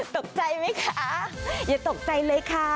ตกใจไหมคะอย่าตกใจเลยค่ะ